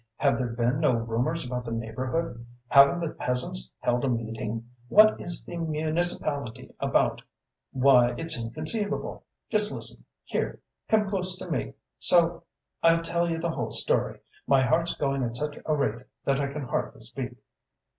Have there been no rumors about the neighborhood? Haven't the peasants held a meeting? What is the municipality about? Why, it's inconceivable! Just listen here, come close to me, so I'll tell you the whole story; my heart's going at such a rate that I can hardly speak..."